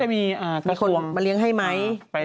มีคนมาเลี้ยงให้ไหม